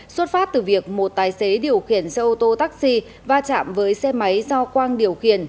xuất phát từ việc một tài xế điều khiển xe ô tô taxi va chạm với xe máy do quang điều khiển